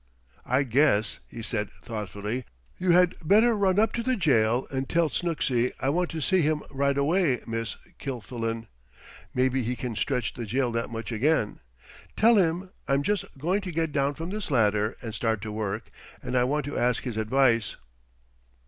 "I guess," he said thoughtfully, "you had better run up to the jail and tell Snooksy I want to see him right away, Miss Kilfillan. Maybe he can stretch the jail that much again. Tell him I'm just going to get down from this ladder and start to work, and I want to ask his advice."